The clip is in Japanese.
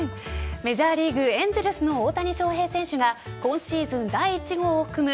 メジャーリーグエンゼルスの大谷翔平選手が今シーズン第１号を含む